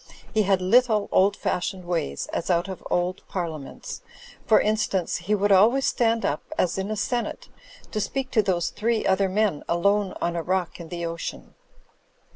He had little old fashioned ways, as out of old Parliaments; for instance, he would always stand up, as in a senate, to speak to those three other men, alone on a rock in the ocean.